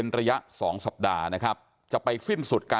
วัยจะต้องมาเถิดกับปัญหาใด